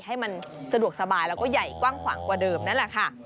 ให้มันสะดวกสบายแล้วก็ใหญ่กว้างขวางกว่าเดิมนั่นแหละค่ะ